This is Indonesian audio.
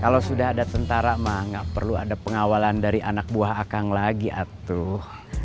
kalau sudah ada tentara mah nggak perlu ada pengawalan dari anak buah akang lagi atuh